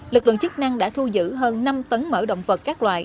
lực lượng chức năng đã thu giữ hơn năm tấn mở động vật các loại